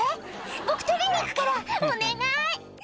「僕取りに行くからお願い」